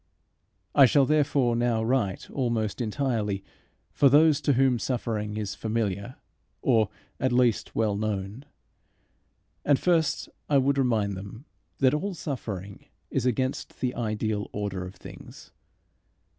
I shall therefore now write almost entirely for those to whom suffering is familiar, or at least well known. And first I would remind them that all suffering is against the ideal order of things.